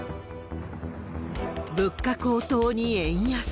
物価高騰に円安。